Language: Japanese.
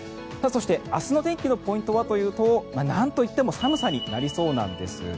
そして、明日の天気のポイントはというとなんといっても寒さになりそうなんです。